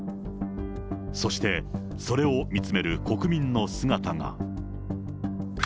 そして、それを見つめる国民の姿が。